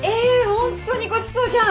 ホントにごちそうじゃん！